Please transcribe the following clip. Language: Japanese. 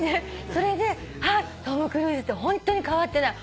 それでトム・クルーズってホントに変わってない。